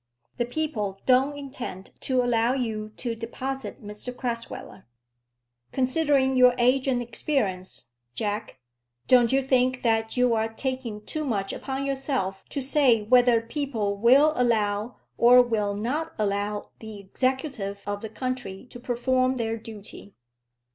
The people don't intend to allow you to deposit Mr Crasweller." "Considering your age and experience, Jack, don't you think that you're taking too much upon yourself to say whether people will allow or will not allow the executive of the country to perform their duty?"